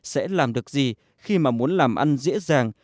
sẽ làm được gì khi mà muốn làm ăn dễ dàng